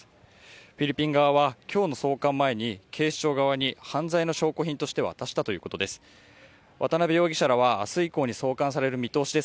フィリピン側は、今日の送還前に警視庁側に犯罪の証拠品として渡したということです。